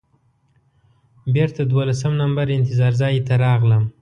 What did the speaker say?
بېرته دولسم نمبر انتظار ځای ته راغلم.